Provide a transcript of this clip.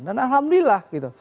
dan alhamdulillah gitu